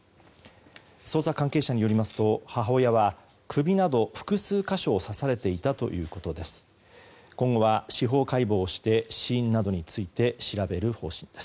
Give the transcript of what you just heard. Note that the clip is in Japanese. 捜査関係者によりますと母親は首など複数箇所を刺されていたということです。